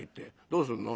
どうするの？」。